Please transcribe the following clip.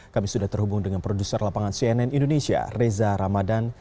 kami sudah terhubung dengan produser lapangan cnn indonesia reza ramadan